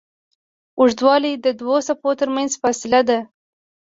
اوږدوالی د دوو څپو تر منځ فاصله ده.